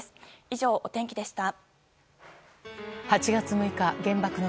以上、お天気でした。